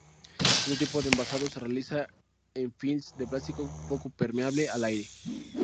Este tipo de envasado se realiza en films de plástico poco permeable al aire.